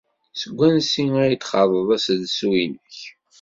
Seg wansi ay d-txaḍeḍ aselsu-nnek?